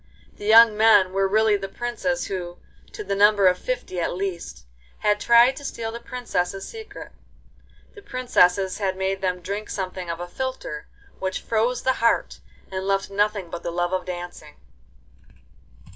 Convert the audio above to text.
The young men were really the princes who, to the number of fifty at least, had tried to steal the princesses' secret. The princesses had made them drink something of a philtre, which froze the heart and left nothing but the love of dancing.